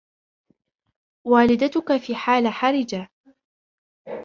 والدتك في حالة حرجة.